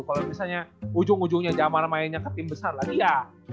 kalo misalnya ujung ujungnya jamar mainnya ke tim besar lagi ya